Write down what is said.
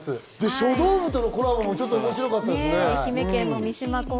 書道部のコラボのやつも面白かったですね。